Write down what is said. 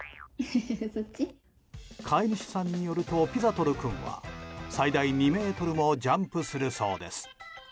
飼い主さんによるとピザトル君は最大２ｍもジャンプするそうです。